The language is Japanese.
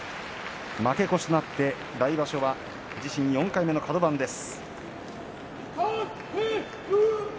負け越しとなって、来場所は自身４回目のカド番です。